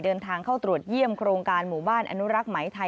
เดินทางเข้าตรวจเยี่ยมโครงการหมู่บ้านอนุรักษ์ไหมไทย